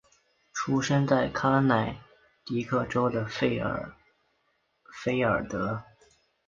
出生在康乃狄克州的费尔菲尔德。